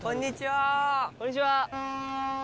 こんにちは。